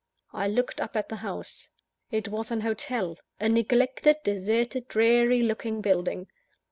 I looked up at the house. It was an hotel a neglected, deserted, dreary looking building.